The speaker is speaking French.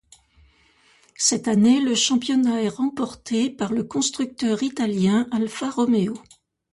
Cette année, le championnat est remporté par le constructeur italien Alfa Romeo.